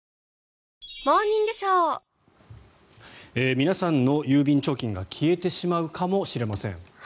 皆さんの郵便貯金が消えてしまうかもしれません。